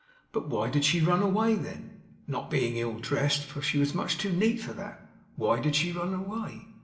But why did she run away, then? Not being ill dressed, for she was much too neat for that, why did she run away?